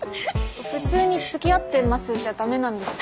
普通につきあってますじゃダメなんですか？